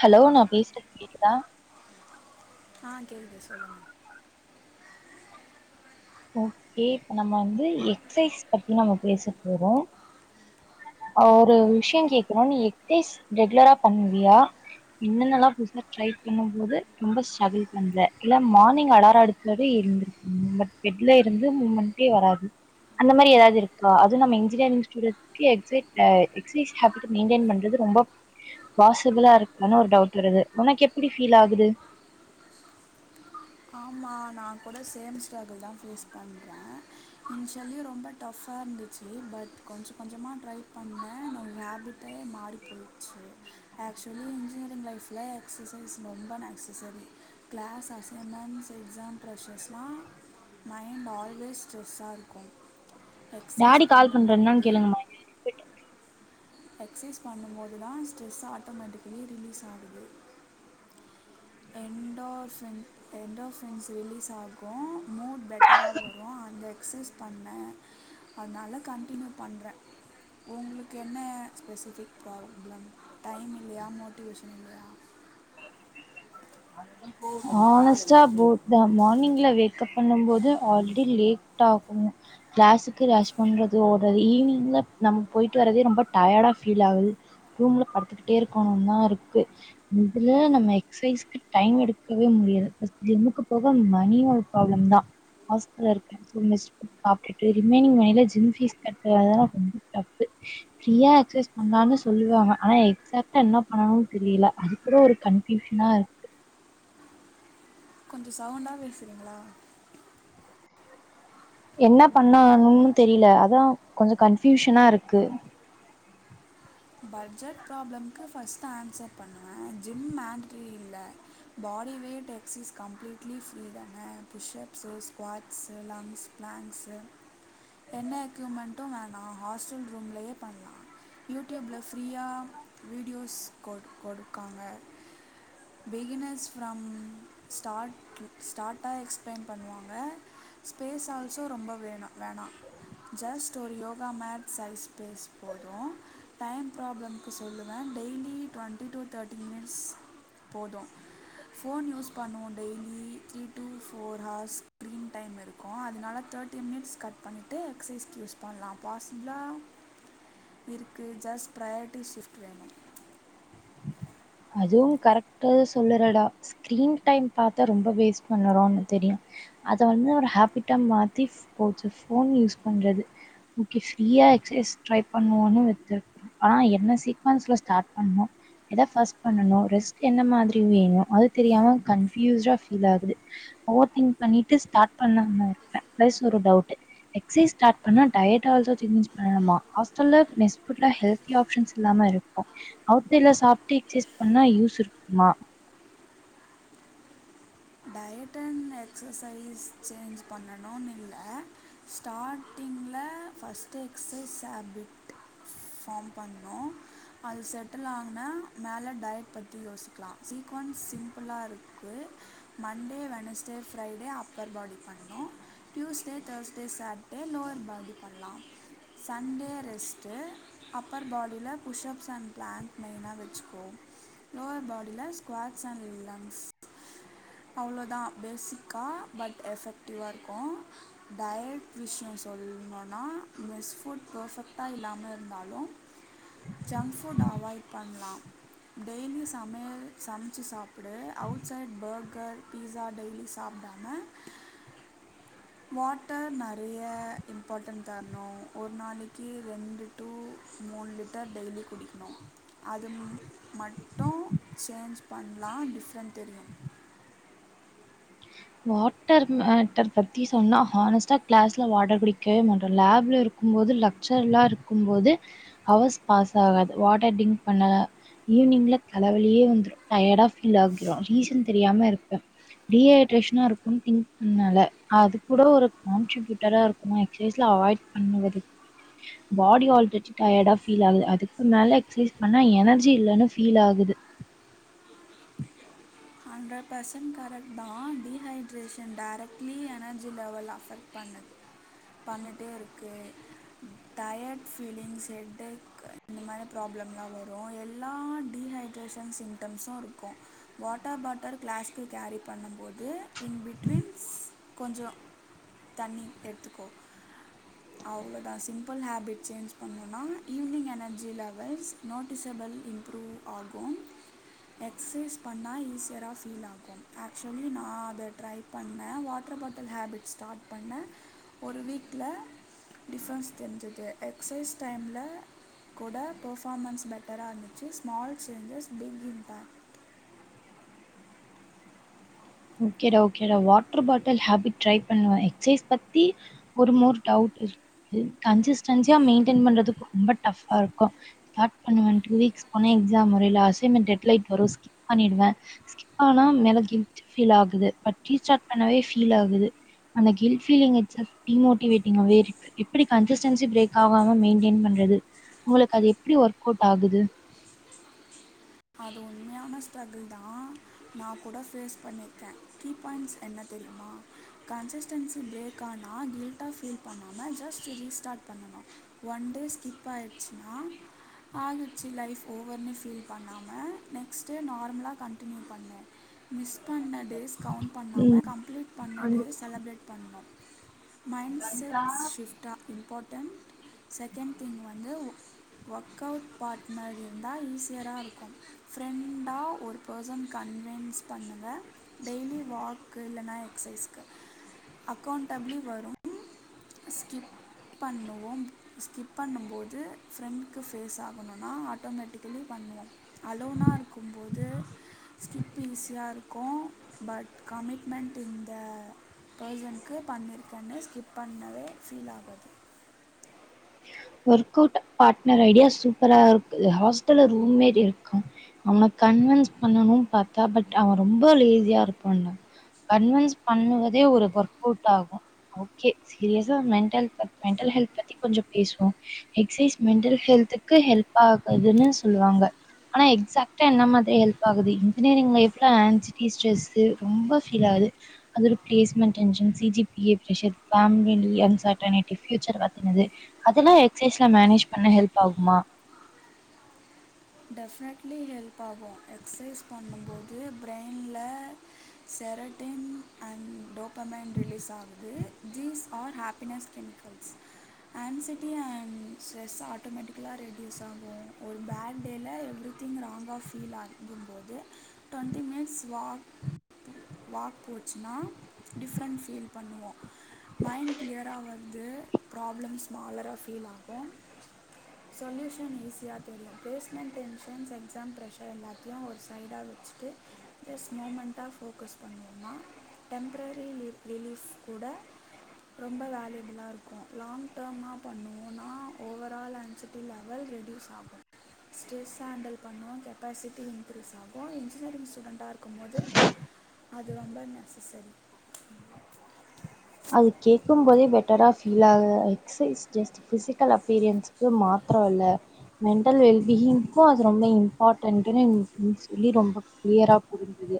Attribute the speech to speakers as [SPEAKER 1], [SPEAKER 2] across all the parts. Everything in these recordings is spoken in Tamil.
[SPEAKER 1] ஹலோ நான் பேசுறது கேட்குதா
[SPEAKER 2] ஆஹ் கேக்குது சொல்லுங்க
[SPEAKER 1] ஓகே இப்ப நம்ம வந்து எக்ஸ்சசைஸ் பத்தி நம்ம பேசிகிட்டு இருக்கோம் ஒரு
[SPEAKER 2] ஓகே
[SPEAKER 1] விஷயம் கேக்கிறோம் நீ எக்சைஸ் ரெகுலரா பண்ணுவியா என்னென்ன எல்லாம் புதுசா ட்ரை பண்ணும் போது ரொம்ப ஸ்ட்ரகிள் பண்ற இல்ல மார்னிங் அலாரம் அடிக்கிறது எழுந்துருப்பியா பெட்ல இருந்து மூவ்மெண்ட்டே வராது அந்த மாரி ஏதாவது இருக்கா அதுவும் நம்ம இன்ஜினியரிங் ஸ்டுடென்ட் எக்சைட்ய எக்சசைஸ் ஹாபிட்ட மெயின்டைன் பண்றது ரொம்ப பாசிபிளா இருக்கான்னு ஒரு டவுட் வருது உனக்கு எப்பிடி பீல் ஆகுது
[SPEAKER 2] ஆமாம் நான் கூட சேம் ஸ்ட்ரகுள் தான் ஃபேஸ் பண்றேன். இன்ஷியல்லி ரொம்ப டஃபாக இருந்துச்சு பட் கொஞ்சம் கொஞ்சமாக ட்ரை பண்ணேன் நவ் ஹேபிட்டே மாறி போச்சு ஆக்சுவலி இன்ஜினியரிங் லைஃப்ல எக்ஸசைஸ் ரொம்ப necessary class as M ends exam பிரஷர்ஸ்னா மைண்ட் ஆல்வேஸ் ஸ்ட்ரெஸ்சா இருக்கும் எக்ஸசைஸ்
[SPEAKER 1] டாடி கால் பண்றாங்க என்னன்னு
[SPEAKER 2] பண்ணும்போது
[SPEAKER 1] கேளுங்கம்மா
[SPEAKER 2] எக்சைஸ் பண்ணும்போது தா ஸ்ட்ரெஸ் ஆட்டோமேட்டிக்கலி ரிலீஸ் ஆகுது என்டோஃப என்டோர்ஃபன்ஸ் ரிலீஸ் ஆகு மூட் பெட்டரா வரு அந்த எக்சைஸ் பண்ணே அதனால கண்டினியூ பண்றே உங்குளுக் கென்ன ஸ்பெசிஃபிக் ப்ராப்ளம் டைம் இல்லையா மோட்டிவேஷன் இல்லையா
[SPEAKER 1] ஹானஸ்டா போட்ட மார்னிங்ல வேக் அப் பண்ணும் போது ஆல்ரெடி லேட் ஆகு கிளாசுக்கு ரஸ் பண்றது ஓடுறது ஈவினிங்ல நம்ம போயிட்டு வரதே ரொம்ப டயர்டா ஃபீல் ஆகுது. ரூம்ல படுத்துகிட்டே இருக்கணுனு தா இருக்கு இதுல நம்ம எக்சைஸ்க் டைம் எடுக்கவே முடியாது ஃபர்ஸ்ட் ஜிம்முக்கு போக மணி ஒரு ப்ராப்ளம் தா ஹாஸ்டல்ல இருக்கே சோ மெஸ்ல சாப்பிட்டுட்டு ரிமைனிங் மணில ஜிம் ஃபீஸ் கட்ரதெல்லா ரொம்ப டஃப்பு ஃப்ரியா எக்சைஸ் பண்ணலானு சொல்லுவாங்க எக்ஸாக்டா என்ன பண்ணனும்னு தெரில அதுவே ஒரு கன்ஃப்யூஷனா இருக்கு
[SPEAKER 2] கொஞ்ச சவுண்டா பேசுறீங்களா
[SPEAKER 1] என்ன பண்ணாணுன்னு தெரில அதா கொஞ்ச கன்ஃபியூஷனா இருக்கு
[SPEAKER 2] பட்ஜெட் ப்ராப்ளம்க்கு ஃபர்ஸ்ட் ஆன்சர் பண்ணுவ ஜிம் மாண்டேட்டரி இல்ல body weight exercise completely free தான push ups squats lunges planks என்ன எக்யூப்மெண்ட்டு வேன் நா ஹாஸ்டல் ரூம்லயே பண்லா யூ டியூப்ல ஃப்ரீயா வீடியோஸ் கொட் கொடுக்காங்க பிகினர்ஸ் ஃப்ரம் ஸ்டாட்ல் ஸ்டாட்டா எக்ஸ்ப்ளய்ன் பண்ணுவாங்க ஸ்பேஸ்ஸால்சோ ரொம்ப வேண வேணா ஜஸ்ட் ஒரு யோகா மேட் சைஸ் ஸ்பேஸ் போது டைம் ப்ராப்ளம்க்கு சொல்லுவே டெய்லி ட்வண்ட்டி டு தேட்டி மினிட்ஸ் போது ஃபோன் யூஸ் பண்ணுவோ daily three two four hours screen டைமிருக்கு அதனால தேட்டி மினிட்ஸ் கட் பண்ணிட்டு எக்சைஸ்க்கு யூஸ் பண்லா பாசிப்ளா இரு க்கு ஜஸ்ட் ப்ரையாரிட்டி ஷிஃப்ட் வேணு
[SPEAKER 1] அதுவு கரெக்ட்டாதா சொல்லுறடா ஸ்க்ரீன் டைம் பாத்தா ரொம்ப வேஸ்ட் பண்ணறோன்னு தெரியு அதவந்து ஒரு ஹேபிட்டா மாத்தி ஃப் போச் ஃபோன் யூஸ் பண்றது ஓகே ஃப்ரீயா எக்ஸைஸ் ட்ரை பண்வோணு வச்சுருக் ஆனா என்ன சீக்வன்ஸ்ல ஸ்டாட் பண்ணு ஏதா ஃபஸ்ட் பண்ணனு ரெஸ்ட் என்ன மாதிரி வேணு அதுதெரியாம கன்ஃப்யூஸ்டா ஃபீலாகுது ஓவர் திங்க் பண்ணிட்டு ஸ்டாட் பண்ணலானுருப்பே பிளஸ் ஒரு டவுட்டு எக்சைஸ் ஸ்டாட் பண்ணா டயட் ஆல்சோ சேஞ்ச் பண்ணனுமா ஹாஸ்டல்ல மெஸ் ஃபுட்ல ஹெல்த்தி ஆப்ஷன்ஸ் இல்லாம இருக்கு அவுத்தில சாப்ட்டு எக்சைஸ் பண்ணா யூஸ் இருக்குமா
[SPEAKER 2] டயட்டண் எக்ஸசைஸ் சேஞ்ச் பண்ணணுனில்ல ஸ்டாட்டிங்ல ஃபஸ்ட் எக்சைஸ் ஹேபிட் ஃபாம் பண்ணோ அது செட்டில் ஆனா மேல டயட் பத்தி யோசிக்லா sequence சிம்புளாருக் [inaudible] Monday Wednesday Friday upper body பண்ணோ Tuesday Thursday Saturday lower body பண்லா சண்டே ரெஸ்ட்டு அப்பர் பாடில புஷ்ஷப்ஸ் அண் ப்ளான் மெயினா வச்சுக்கோ லோவர் பாடில ஸ்குவாட்ஸ் அண் லங்க்ஸ் அவ்ளோதா பேசிக்கா பட் எஃபெக்ட்டிவாருக்கு டயட் விஷ்யோ சொல்நோனா மெஸ் ஃபுட் பர்ஃபெக்ட்டா இல்லாமயிருந்தாலு ஜங்க் ஃபுட் அவாய்ட் பண்லாம் டெய்லியு சமையல் சம்ச்சு சாப்டு அவுட்சைட் பர்கர் பீஸா டெய்லி சாப்டாம வாட்டர் நறைய இம்பார்ட்டன் தர்ணு ஒரு நாளைக்கி ரெண்டு டூ மூணு லிட்டர் டெய்லி குடிக்ணு அது மட்டு சேஞ்ச் பண்லா டிஃப்ரெண் தெரியு
[SPEAKER 1] வாட்டர் மேட்டர் பத்தி சொன்னா ஹன்ஸ்டா க்ளாஸ்ல வாட்ட குடிக்வே மாட்டோ லேப்லருக்கும்போது லக்ச்சர்லாருக்கும்போது அவர்ஸ் பாஸாகாது வாட்டர் டிங்க் பண்ண ஈவ்னிங்ல தலவலியே வந்த்ரும் டயர்டா ஃபீலாகிரும் ரீசன் தெரியாமயிருப்பே டீ ஐ ட்ரேஷனாருக்க திங்க் பண்ணால அதுக் கூட ஒரு கான்ட்ரிபியூட்டராருக்கு எக்சைஸ்ல அவாய்ட் பண்வது பாடி ஆல்ரெடி டயர்டா ஃபீலாகுது அதுக்கு மேல எக்சைஸ் பண்ணா எனர்ஜி இல்லனு ஃபீலாகுது
[SPEAKER 2] ஹண்ட்ர பர்சன் கரெக்தா dehydration directly energy level affect பண்ண பண்ணிட்டேருக்கு டயட் ஃபீலிங்ஸ் ஹெட்டெக் இந்த மாரி ப்ராப்ளம்லாம் வரும் எல்லா டீஹைட்ரேஷன் சிம்டம்ஸும் ருக்கும் வாட்ட பாட்டர் கிளாஸ்கு கேரிப் பண்ணம்போது இன்பிட்வீன்ஸ் கொஞ்சோத் தண்ணி எத்துக்கோ அவ்ளோதா சிம்புள் ஹேபிட் சேஞ்ச் பண்ணோன்னா evening energy levels noticeable improve ஆகும் எக்ஸைஸ் பண்ணா ஈஸ்யரா ஃபீல் ஆகு ஆக்சுவலி நா அத ட்ரைப் பண்ணே வாட்ர் பாட்டல் ஹேபிட்ஸ் ஸ்டாட் பண்ணே ஒரு வீக்கில டிஃபன்ஸ் தெரிஞ்சிது எக்சைஸ் டைம்ல கூட பஃபாமன்ஸ் பெட்டராருந்துச்சு ஸ்மால் சேஞ்சஸ் பிக் இம்பாக்ட்
[SPEAKER 1] ஓக்கேடா ஓக்கேடா வாட்ர் பாட்டல் ஹாபிட் ட்ரை பண்ணுவன் எக்ஸைஸ் பத்தி ஒருமோர் டவுட் இருக் கன்சிஸ்டன்சியா மெயின்டென் பண்றதுக்கு ரொம்ப டாஃப்பாருக்கு டாட் பண்ணுவே டூ வீக்ஸ் போன எக்ஸாம் வருயில்ல அசைமென்ட் எட்லைட் வரு ஸ்கிப் பண்ணிடுவே ஸ்கிப் பண்ணனா மேல கில் ஃபீலாகுது பட் ரிஸ்டாட் பண்ணவே ஃபீலாகுது அந்த கில்ட் ஃபீலிங் இட்ஸ் ஸ் டீமோடிங்காவேருக்கு எப்டி கன்சிஸ்டன்சி பிரேகாவாம மெயின்டென் பண்றது உங்களுக்கது எப்டி ஒர்கவுட் ஆகுது
[SPEAKER 2] அது உண்மையான ஸ்ட்ரகுள் தா நாகூட ஃபேஸ் பண்ணிருக்க கீப் பாய்ண்ட்ஸ் என்னத் தெரியுமா கன்சிஸ்டன்சி ப்ரேக்கானா கில்ட்டா ஃபீல் பண்ணாம ஜஸ்ட்டு ரீஸ்டாட் பண்ணணு ஒன் டே ஸ்கிபாயிடுச்சுனா ஆகிட்ச்சி லைஃப் ஓவர்னு ஃபீல் பண்ணா ம நெக்ஸ்ட்டு நார்மலா கண்டினியூப் பண்ணு மிஸ் பண்ண டேஸ் கவுண்
[SPEAKER 1] ம்.
[SPEAKER 2] பண்ணாமக் கம்ப்ளீட்
[SPEAKER 1] அந்த
[SPEAKER 2] பண்ணடே செலப்ரேட் பண்ணு மைண்ட் செட் ஷிஃப்டா இம்பாட் டெம்ட் செக்கெண் திங் வந்து ஓக்கவுட் பாட்னர்யிருந்தா ஈஸியராருக் க்கு ஃப்ரெண்டா ஒரு பஸ்சன் கன்வென்ஸ் பண்ணுவ டெய்லி வாக்குல்லன்னா க்ஸைஸ்க்கு அக்கௌண்டப்லி வரும் ஸ்கிப் பண்ணுவோம் ஸ்கிப் பண்ணும்போது ஃப்ரெண்ட்கு ஃபேஸ் ஆகணுனா ஆட்டோமேட்டிக்கலி பண்ணுவோம் அலோனா இருக்கும்போது ஸ்கிப் ஈஸியா இருக்கு பட் கமிட்மெண்ட் இந்த பர்சன்கு பண்ணிருக்கேன்னு ஸ்கிப் பண் னவே ஃபீல் ஆகாது
[SPEAKER 1] ஒர்கவுட் பாட்னர் ஐடியா சூப்பரா இருக்கு ஹாஸ்டல்ல ரூம்மேரி இருக்கு அவன கன்வன்ஸ் பண்ணுன் பாத்தா பட் அவன் ரொம்ப லேஸியா இருப்பான் கன்வன்ஸ் பண்ணுவதே ஒரு ஒர்கவுட் ஆகும் ஓகே சீரியஸா மெண்டல் மெண்டல் ஹெல்த பத்தி கொஞ்சோ பேசுவோ எக்ஸைஸ் மெண்டல் ஹெல்த்துக்கு ஹெல்பாகுதுனு சொல்வாங்க ஆனா எக்ஸாக்டா என்ன மாதிரி ஹெல்ப் ஆகுது இன்ஜினியரிங் லைப்ல ஆன்சிட்டி ஸ்ட்ரெஸ்ஸு ரொம்ப ஃபீல் ஆகுது அதோட placement tension C G P A pressure family uncertainty future பத்தினது அதெல்லா எக்சைஸ்ல மேனேஜ் பண்ணா ஹெல்ப் ஆகுமா
[SPEAKER 2] டெஃபெனெட்லி ஹெல்ப் ஆகு எக்சைஸ் பண்ணும்போது ப்ரைன்ல செரட்டின் அண்ட் டோபமைண்ட் ரிலீஸ் ஆகுது these are happiness chemicals anxiety and stress ஆட்டோமேட்டிக்கலா ரெடியூஸ் ஆகு ஒரு பேட் டேல எவ்ரிதிங் ராங்கா ஃபீல் ஆகும் போது டொண்டி மினிட்ஸ் வாக் வாக் போச்சுனா டிஃப்ரண்ட் ஃபீல் பண்ணுவோ மைண்ட் கிளியரா வருது ப்ராப்ளம் ஸ்மாலரா ஃபீல் ஆகு சொல்யூஷன் ஈஸியா தெரியு placement tensions exam pressure எல்லாத்தையு ஒரு சைடா வெச்சுட்டு ஜஸ்ட் மூமெண்ட்டா ஃபோக்கஸ் பண்ணுவோனா டெம்ப்ரரிலீ லிலீஃப் கூட ரொம்ப வேல்யூவபுளா இருக்கு லாங் டேமா பண்ணுவோனா ஓவரால் அன்சிட்டி லெவல் ரெட்யூஸ் ஆகு ஸ்ட்ரெஸ் ஹேண்டில் பண்ணவு கெப்பாசிட்டி இன்க்ரீஸ்சாகு இன்ஜினியரிங் ஸ்டூடெண்ட்டா இருக்கும்மபோது அது ரொம்ப நெசசரி
[SPEAKER 1] அது கேக்கும்போதே பெட்டரா ஃபீல் ஆ்குது. எக்ஸர்சைஸ். ஜஸ்ட் ஃபிசிகல் அப்பியரன்ஸ்க்கு மாத்தரம்‌ இல்ல. மென்டல் வெல்பீயிங்க்கும் அது ரொம்ப இம்பான்டன்ட்னு சொல்லி எனக்கு ரொம்ப கிளியரா புரிஞ்சது.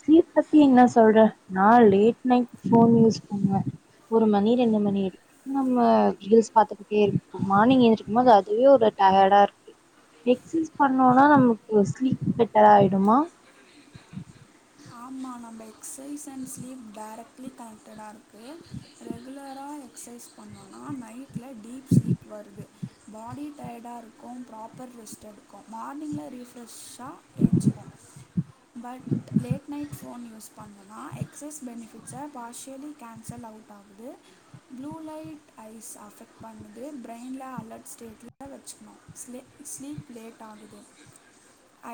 [SPEAKER 1] ஸ்லீப் பத்தி என்ன சொல்ற நான் லேட் நைட் ஃபோன் மூலம் பண் ஆ ஒரு மணி ரெண்டு மணி வரைக்கு நம்ம ரீல்ஸ் பாத்துகிட்டே இருக்கோம். மார்னிங் எந்திருக்கும்போது அதுவே ஒரு டயர்டா இருக்கும். எக்சர்சைஸ் பண்ணோம்னா நமக்கு ஸ்லீப் பெட்டரா ஆயிடுமா?
[SPEAKER 2] ஆமா நம்ப எக்ஸசைஸ் அண்ட் ஸ்லீப் டைரக்ட்லி கனெக்ட்டா இருக்கு. ரெகுலரா எக்ஸர்சைஸ் பண்ணோன்னா நைட்ல டீப் ஸ்லீப் வருது. பாடி டயர்டாக இருக்கும், ப்ராப்பர் ரெஸ்ட்ட் எடுக்கு மார்னிங்ல ரீஃப்ரெஷ்ஷா எஞ்சுப்போ but late night phone use பண்ணுனா எக்ஸைர்ஸ் பெனிஃபிட்ஸை பார்ஷியலி கேன்சல் அவுட் ஆகுது. ப்ளூ லைட் ஐஸ்ஸ அஃபெக்ட் பண்ணுது. பிரெயின்ல அலர்ட் ஸ்டேட்ல வெச்சுக்கணு. ஸ்லீப் லேட் ஆகுது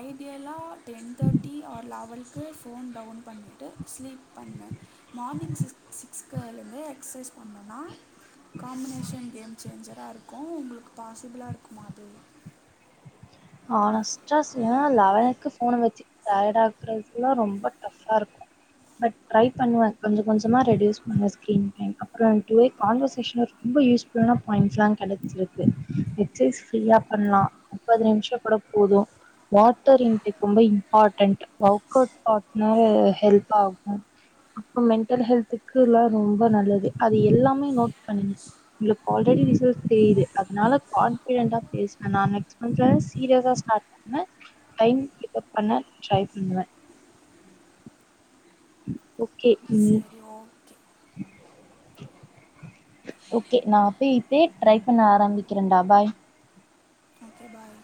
[SPEAKER 2] ஐடியலா டென் தேட்டி ஆர் லெவன் கே ஃபோன் டவுன் பண்ணிட்டு ஸ்லீப் பண்ணுவ. மார்னிங் சிக்ஸ் சிக்ஸ்லருந்தே எக்ஸர்சைஸ் பண்ணுனா காம்பினேஷன் கேம் சேஞ்சராக இருக்கு உங்களுக்கு பாசிபிள இருக்குமா அது
[SPEAKER 1] ஹானஸ்டா சொன்னா லெவக்கு ஃபோன வச்சுட்டா டயர்டா இருந்துச்சுன்னா ரொம்ப ஃப்ரெஷ்ஷா இருக்கு. பட் ட்ரை பண்ணுவ. கொஞ்சோ கொஞ்சமா ரெடியூஸ் பண்ணுவேன் ஸ்கிரீன் டைம். அப்புறம் கான்வர்சேஷன்ல ரொம்ப யூஸ்ஃபுல்லான பாயிண்ட் எல்லா கெடைச்சிருக்கு. எக்ஸ்சைஸ் ப்ரீயா பண்ணலா முப்பது நிமிஷம் பண்ணும் போதோ வாட்டர் இன்டெக் ரொம்ப இம்பார்டன்ட். ஒர்க் அவுட் பண்ண ஹெல்ப் ஆகும். அப்புறம் மெண்டல் ஹெல்த்துக்குல்ல ரொம்ப நல்லது அது எல்லாமே நோட் பண்ணிக்கணும் உங்களுக்கு ஆல்ரெடி ரிசல்ட் தெரியுது அதனால கான்ஃபிடன்ட்டா பேசுனேன் நானு நெக்ஸ்ட் சீரியஸா ஸ்டார்ட் பண்ணுவ. டைம் கீப்பப் பண்ண ட்ரை பண்ணுவ ஓ
[SPEAKER 2] சரி ஓகே
[SPEAKER 1] ஓகே நான் அப்பய இப்ப ட்ரை பண்ண ஆரம்பிக்கிறேன்டா பாய்
[SPEAKER 2] ஓகே பாய்